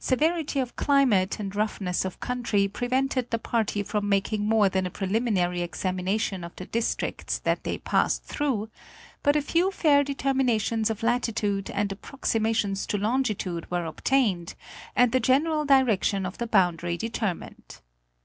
Severity of climate and roughness of country prevented the party from making more than a preliminary examination of the districts that they passed through, but a few fair determinations of latitude and approxi mations to longitude were obtained, and the general direction of the boundary determined.